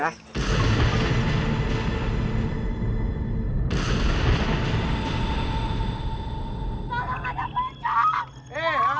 pak baha ada pocong